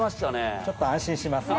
ちょっと安心しますね。